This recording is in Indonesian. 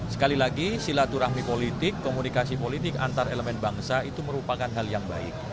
sekali lagi silaturahmi politik komunikasi politik antar elemen bangsa itu merupakan hal yang baik